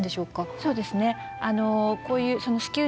そうですね。